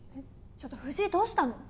ちょっと藤井どうしたの？